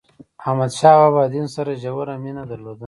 احمد شاه بابا د دین سره ژوره مینه درلوده.